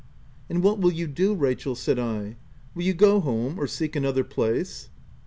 " And what will you do, Rachel i n said I — u will you go home, or seek another place ?"